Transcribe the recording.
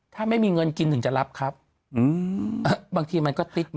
ถ้าไม่มีเงินกินถึงจะรับครับบางทีมันก็ติด